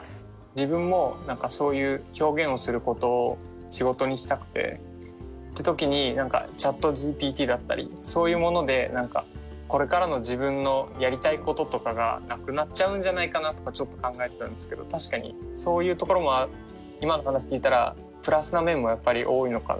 自分もそういう表現をすることを仕事にしたくてって時にチャットＧＰＴだったりそういうものでこれからの自分のやりたいこととかがなくなっちゃうんじゃないかなとちょっと考えてたんですけど確かにそういうところも今の話聞いたらプラスな面もやっぱり多いのかな。